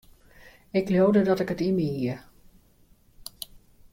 Ik leaude dat ik it yn my hie.